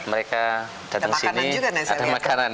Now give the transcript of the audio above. mereka datang sini ada makanan